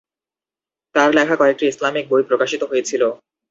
তার লেখা কয়েকটি ইসলামিক বই প্রকাশিত হয়েছিলো।